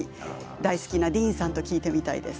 大好きなディーンさんと聴いてみたいです。